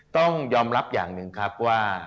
ต้องยอมรับอย่างหนึ่งครับว่า